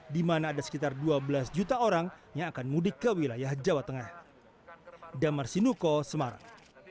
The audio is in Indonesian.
dimana ada sekitar dua belas juta orang yang akan mudik ke wilayah jawa tengah damarsinuko semarang